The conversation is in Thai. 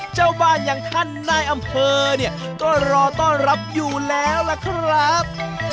เจ้าบ้านอย่างท่านนายอำเภอเนี่ยก็รอต้อนรับอยู่แล้วล่ะครับ